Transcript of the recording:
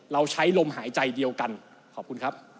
เราใช้ลมหายใจเดียวกันขอบคุณครับ